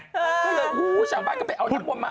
ก็เลยหูชาวบ้านก็ไปเอาน้ำมนต์มา